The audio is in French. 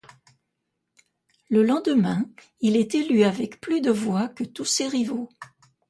Le lendemain, il est élu avec plus de voix que tous ses rivaux.